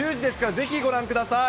ぜひご覧ください。